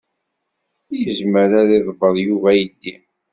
Yezmer ad d-iḍebber Yuba aydi?